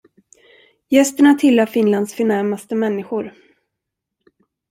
Gästerna tillhör Finlands förnämaste människor.